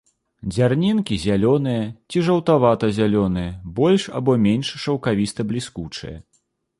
Дзярнінкі зялёныя ці жаўтавата-зялёныя, больш або менш шаўкавіста-бліскучыя.